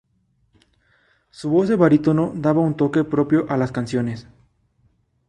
Su voz de barítono daba un toque propio a las canciones.